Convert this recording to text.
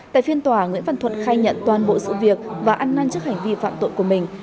tại phiên tòa nguyễn văn thuật khai nhận toàn bộ sự việc và ăn năn trước hành vi phạm tội của mình